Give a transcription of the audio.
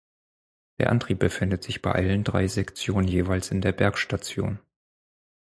Der Antrieb befindet sich bei allen drei Sektionen jeweils in der Bergstation.